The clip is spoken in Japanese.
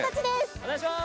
お願いします！